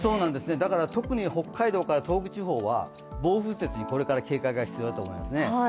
だから特に北海道から東北地方は暴風雪にこれから警戒が必要だと思いますね。